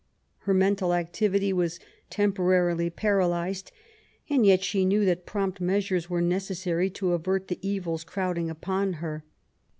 Her mental activity was temporarily paralyzed, and yet she knew that prompt measures were necessary to avert the evils crowding upon her.